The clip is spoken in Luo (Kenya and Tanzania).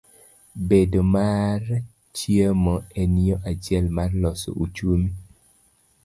Bedo mar chiemo, en yo achiel mar loso uchumi.